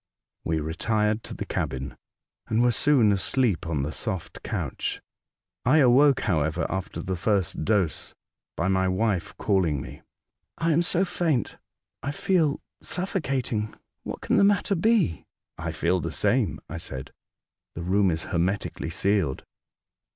We retired to the cabin, and were soon asleep on the soft couch. I awoke, however, after the first dose, by my wife calling me. '' I am so faint, I feel suffocating. What can the matter be?" " I feel the same," I said. " The room is hermetically sealed.